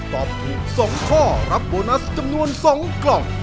ตอบถูก๒ข้อรับโบนัสจำนวน๒กล่อง